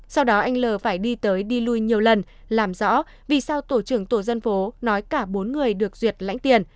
sau đó anh l phải đi tới đi lui nhiều lần làm rõ vì sao tổ trưởng tổ dân phố nói cả bốn người được duyệt lãnh tiền